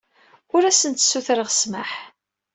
Ur asent-ssutureɣ ssmaḥ.